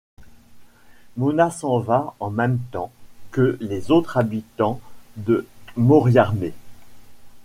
Mona s'en va en même temps que les autres habitants de Moriarmé.